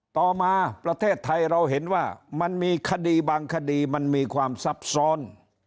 ต่อมาประเทศไทยเราเห็นว่ามันมีคดีบางคดีมันมีความซับซ้อน